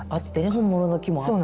本物の木もあって。